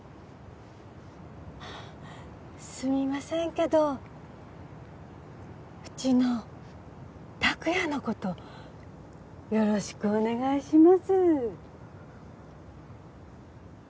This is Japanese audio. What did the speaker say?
すみませんけどうちの託也の事よろしくお願いします。